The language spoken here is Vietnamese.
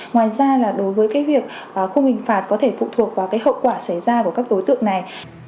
ngoài ra là đối với cái việc không hình phạt có thể phụ thuộc vào cái hậu quả xảy ra của các đối tượng này